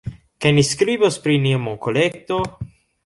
Kaj ni skribos pri nia monkolekto